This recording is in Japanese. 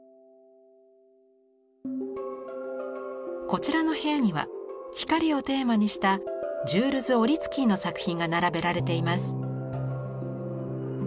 こちらの部屋には光をテーマにしたジュールズ・オリツキーの作品が並べられています。